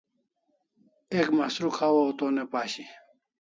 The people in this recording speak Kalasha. Ek mastruk hawaw to ne pashi